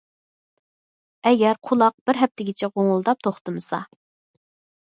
ئەگەر قۇلاق بىر ھەپتىگىچە غوڭۇلداپ توختىمىسا.